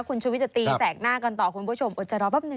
คุณชุวิตจะตีแสกหน้ากันต่อคุณผู้ชมอดจะรอแป๊บนึ